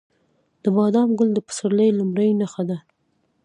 د بادام ګل د پسرلي لومړنی نښه ده.